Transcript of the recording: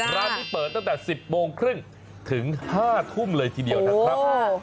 ร้านนี้เปิดตั้งแต่๑๐โมงครึ่งถึง๕ทุ่มเลยทีเดียวนะครับ